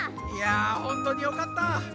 いやほんとうによかった！